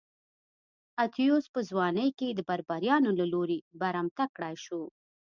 اتیوس په ځوانۍ کې د بربریانو له لوري برمته کړای شو